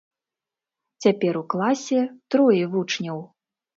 Цяпер у класе трое вучняў.